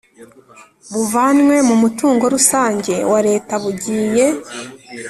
buvanywe mu mutungo rusange wa Leta bugiye